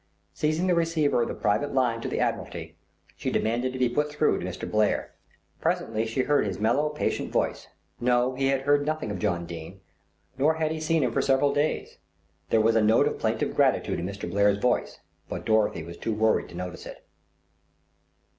Seizing the receiver of the private line to the Admiralty, she demanded to be put through to Mr. Blair. Presently she heard his mellow, patient voice. No, he had heard nothing of John Dene, nor had he seen him for several days. There was a note of plaintive gratitude in Mr. Blair's voice; but Dorothy was too worried to notice it.